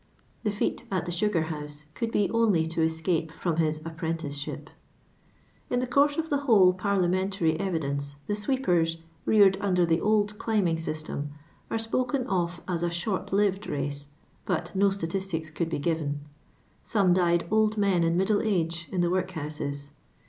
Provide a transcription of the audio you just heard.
The feat at the sugar house couid be only to escape from his apprenticeship. In the course of the whole Parliamentary evidence the sweepers, reared under the old climbing system, are spoken of as a "short lived" nee, but no statistics could be given. Some died old men in middle age, in the workhouses.